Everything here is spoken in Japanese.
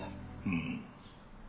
うん。